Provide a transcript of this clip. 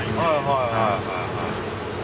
はいはいはい。